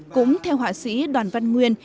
cũng theo họa sĩ đoàn văn nguyên